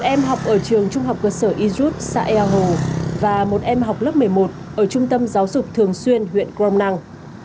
một em học ở trường trung học cơ sở y jut xã ea hồ và một em học lớp một mươi một ở trung tâm giáo dục thường xuyên huyện crom năng